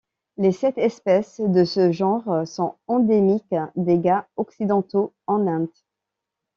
Les sept espèces de ce genre sont endémiques des Ghâts occidentaux en Inde.